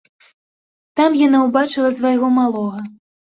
Там яна ўбачыла свайго малога.